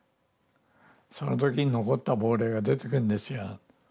その時に残った亡霊が出てくるんですよ」。